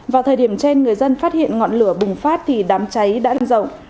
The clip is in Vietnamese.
vào thời điểm trên người dân phát hiện ngọn lửa bùng phát thì đám cháy đã lên rộng